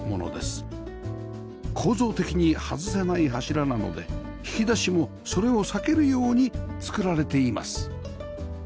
構造的に外せない柱なので引き出しもそれを避けるように作られています